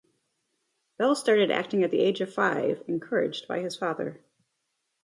Bell started acting at the age of five, encouraged by his father.